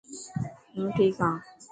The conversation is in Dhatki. هون ٺيڪ هان.